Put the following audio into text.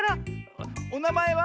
「おなまえは？」。